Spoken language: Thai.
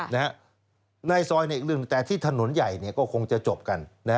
ในซอยเนี่ยอีกเรื่องหนึ่งแต่ที่ถนนใหญ่เนี่ยก็คงจะจบกัน